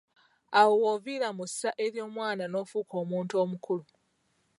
Awo w'oviira mu ssa ery'omwana n'ofuuka omuntu omukulu.